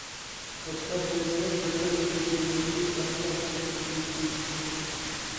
ھەتتا بەزىلەر دەۋر ئىلگىرىلىدى، ئەخلاق چېكىندى، دېيىشمەكتە.